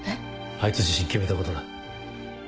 あいつ自身決めたことだ。